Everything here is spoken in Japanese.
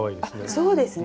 そうですね。